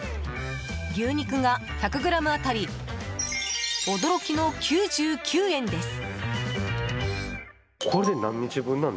牛肉が１００ｇ当たり驚きの９９円です。